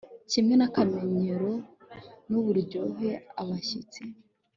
kimwe nakamenyero nuburyohe abashyitsi